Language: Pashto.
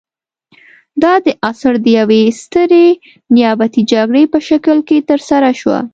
دا د عصر د یوې سترې نیابتي جګړې په شکل کې ترسره شوه.